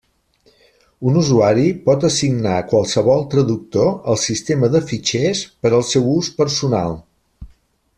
Un usuari pot assignar qualsevol traductor al sistema de fitxers per al seu ús personal.